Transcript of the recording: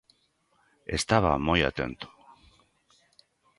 Estaba moi atento.